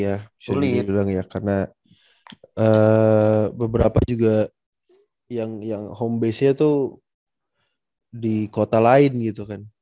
ya sering dibilang ya karena beberapa juga yang home base nya tuh di kota lain gitu kan